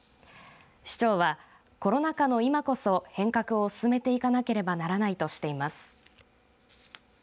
市長はコロナ禍の今こそ変革を進めていかなければならないとしています。